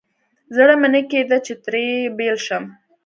زړه مې نه کېده چې ترې بېل شم.